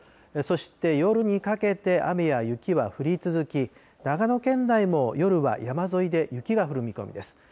そして夜にかけて雨や雪は降り続き、長野県内も夜は山沿いで雪が降る見込みです。